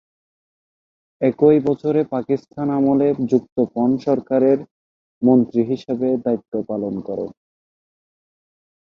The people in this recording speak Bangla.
একই বছরে পাকিস্তান আমলে যুক্তফ্রন্ট সরকারের মন্ত্রী হিসেবে দায়িত্ব পালন করেন।